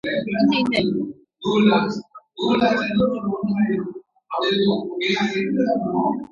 அந்த ஓடையைக் கடந்துதான் பாதை செல்லுகிறது.